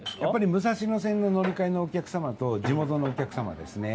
武蔵野線の乗り換えのお客様と地元のお客様です。